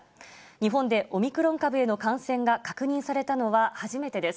日本でオミクロン株への感染が確認されたのは初めてです。